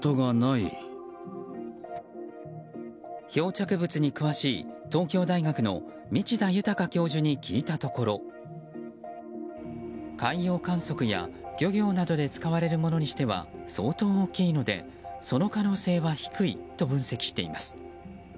漂着物に詳しい東京大学の道田豊教授に聞いたところ海洋観測や漁業などに使われるものにしては相当大きいのでその可能性は低いと分析しています。